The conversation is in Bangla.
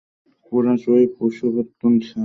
পোরাস ওরফে পুরুষোত্তম, স্যার।